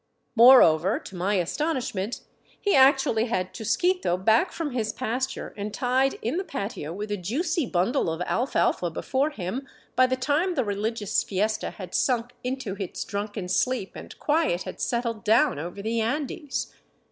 Moreover, to my astonishment he actually had Chusquito back from his pasture and tied in the patio with a juicy bundle of alfalfa before him, by the time the religious fiesta had sunk into its drunken sleep and quiet had settled down over the Andes.